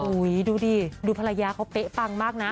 ดูดิดูภรรยาเขาเป๊ะปังมากนะ